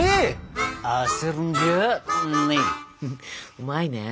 うまいね。